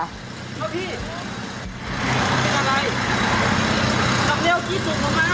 แล้วก็ให้ผู้ชมทำให้